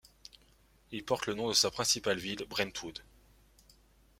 Il porte le nom de sa principale ville, Brentwood.